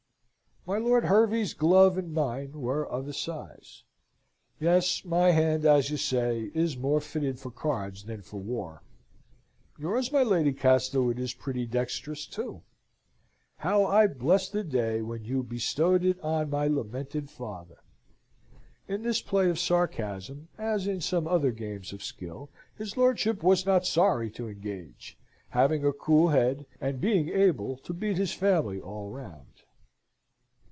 "My Lord Hervey's glove and mine were of a size. Yes, my hand, as you say, is more fitted for cards than for war. Yours, my Lady Castlewood, is pretty dexterous, too. How I bless the day when you bestowed it on my lamented father!" In this play of sarcasm, as in some other games of skill, his lordship was not sorry to engage, having a cool head, and being able to beat his family all round.